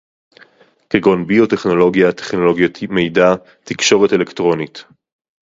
כגון ביוטכנולוגיה, טכנולוגיות מידע, תקשורת אלקטרונית